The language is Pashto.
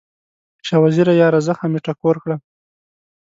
شاه وزیره یاره، زخم مې ټکور کړه